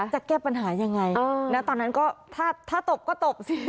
จะแก้ปัญหายังไงตอนนั้นก็ถ้าตบก็ตบสิ